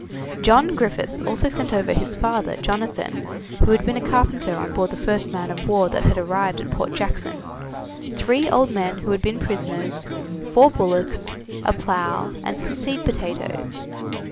John Griffiths also sent over his father, Jonathan, who had been a carpenter on board the first man of war that had arrived at Port Jackson, three old men who had been prisoners, four bullocks, a plough, and some seed potatoes.